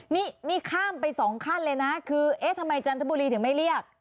นี่นี่ข้ามไปสองขั้นเลยนะคือเอ๊ะทำไมจันทบุรีถึงไม่เรียก